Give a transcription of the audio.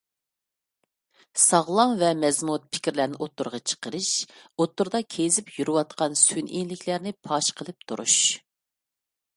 ساغلام ۋە مەزمۇت پىكىرلەرنى ئوتتۇرىغا چىقىرىش، ئوتتۇرىدا كېزىپ يۈرىۋاتقان سۈنئىيلىكلەرنى پاش قىلىپ تۇرۇش.